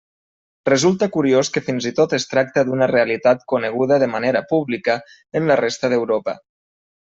Resulta curiós que fins i tot es tracta d'una realitat coneguda de manera pública en la resta d'Europa.